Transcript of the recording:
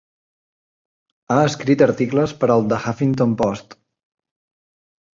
Ha escrit articles per al "The Huffington Post".